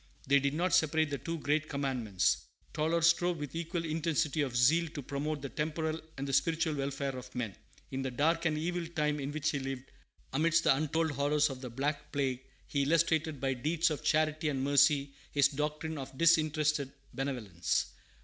They did not separate the two great commandments. Tauler strove with equal intensity of zeal to promote the temporal and the spiritual welfare of men. In the dark and evil time in which he lived, amidst the untold horrors of the "Black Plague," he illustrated by deeds of charity and mercy his doctrine of disinterested benevolence.